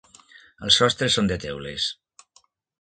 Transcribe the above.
Els sostres són de teules.